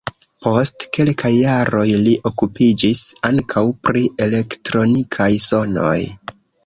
Post kelkaj jaroj li okupiĝis ankaŭ pri elektronikaj sonoj.